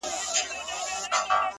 د سترګو کي ستا د مخ سُرخي ده ـ